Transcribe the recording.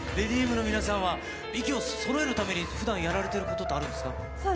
ＬａｄｙＭ．の皆さんは、息をそろえるために、ふだん、やられてることってあるんですか？